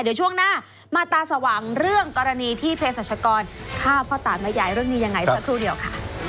เดี๋ยวช่วงหน้ามาตาสว่างเรื่องกรณีที่เพศรัชกรฆ่าพ่อตาแม่ยายเรื่องนี้ยังไงสักครู่เดียวค่ะ